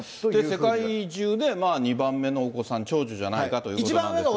世界中で、２番目のお子さん、長女じゃないかということなんですが。